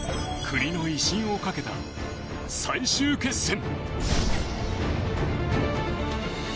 国の威信をかけた最終決戦。